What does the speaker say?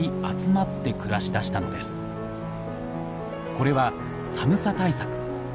これは寒さ対策。